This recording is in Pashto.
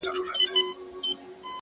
روښانه موخې روښانه لارې پیدا کوي.!